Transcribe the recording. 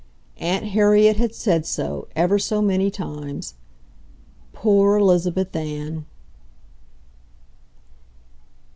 Aunt Harriet had said so, ever so many times. Poor Elizabeth Ann!